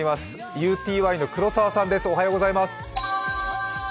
ＵＴＹの黒澤さんです。